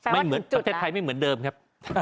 ประเทศไทยไม่เหมือนเดิมครับ